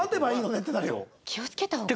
気を付けた方がいい。